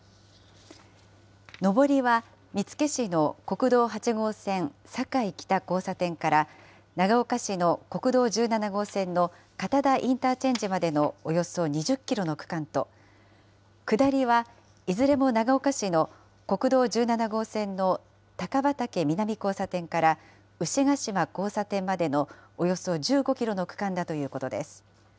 上りは見附市の国道８号線坂井北交差点から、長岡市の国道１７号線の片田インターチェンジまでのおよそ２０キロの区間と、下りはいずれも長岡市の国道１７号線の高畑南交差点から牛ケ島交差点までのおよそ１５キロの区間だということです。